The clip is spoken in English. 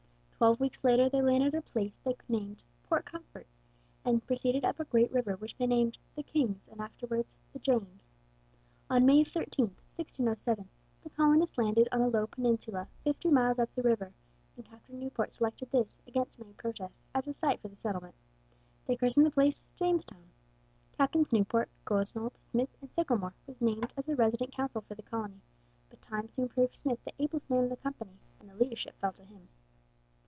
Twelve weeks later, they landed at a place they named "Point Comfort," and proceeded up a great river which they named the King's and afterwards the James. On May 13, 1607, the colonists landed on a low peninsula fifty miles up the river, and Captain Newport selected this, against many protests, as the site for the settlement. They christened the place Jamestown. Captains Newport, Gosnold, Smith, and Sickelmore were named as the resident council for the colony, but time soon proved Smith the ablest man in the company, and the leadership fell to him.